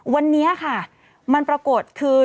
วันนี้ค่ะมันปรากฏคือ